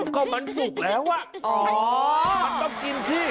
ก็มันสุกแล้วมันต้องกินที่